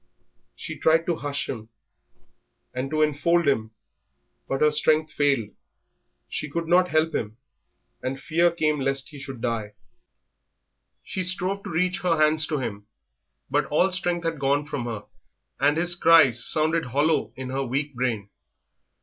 She tried to hush him and to enfold him, but her strength failed, she could not help him, and fear came lest he should die. She strove to reach her hands to him, but all strength had gone from her, and his cries sounded hollow in her weak brain.